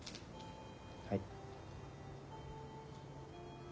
はい。